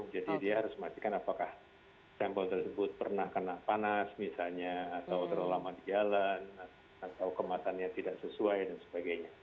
dia harus memastikan apakah sampel tersebut pernah kena panas misalnya atau terlalu lama di jalan atau kemasannya tidak sesuai dan sebagainya